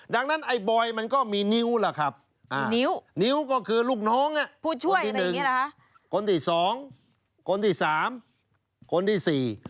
ดังนั้นไอ้บอยมันก็มีนิ้วล่ะครับนิ้วก็คือลูกน้องผู้ช่วยที่๑คนที่สองคนที่สามคนที่๔